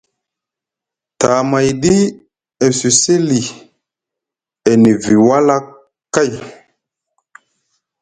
Tamayɗi e cusi li e nivi wala kay.